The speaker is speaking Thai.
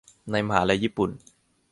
ในมหาลัยญี่ปุ่น